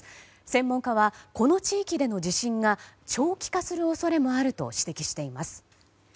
専門家は、この地域での地震が長期化する恐れもあると指摘しています。